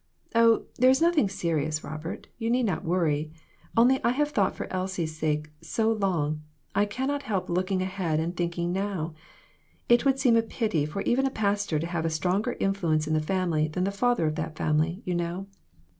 Oh, there is noth ing serious, Robert you need not worry; only I have thought for Elsie's sake so long, I cannot help looking ahead and thinking now. It would seem a pity for even a pastor to have a stronger influence in the family than the father of that family, you know.